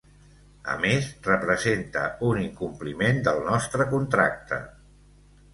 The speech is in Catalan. A més, representa un incompliment del nostre contracte.